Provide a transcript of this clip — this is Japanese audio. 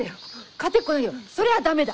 勝てっこないよ。それは駄目だ。